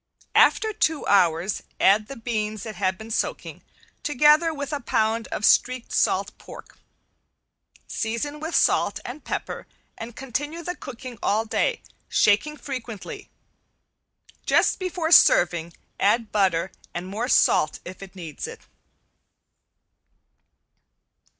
After two hours add the beans that have been soaking, together with a pound of streaked salt pork. Season with salt and pepper and continue the cooking all day, shaking frequently. Just before serving add butter and more salt if it needs it.